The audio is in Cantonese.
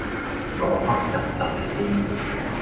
我瞌一陣先